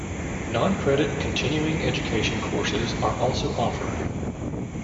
Non-credit continuing education courses are also offered.